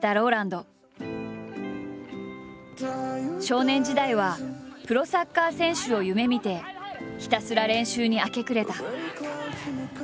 少年時代はプロサッカー選手を夢みてひたすら練習に明け暮れた。